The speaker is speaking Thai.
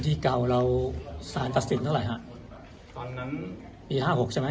เก่าเราสารตัดสินเท่าไหร่ฮะตอนนั้นปีห้าหกใช่ไหม